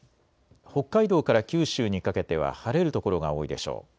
北海道から九州にかけては晴れる所が多いでしょう。